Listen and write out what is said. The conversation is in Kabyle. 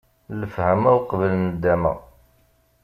Lefhama uqbel nndama!